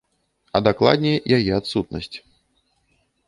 А дакладней, яе адсутнасць.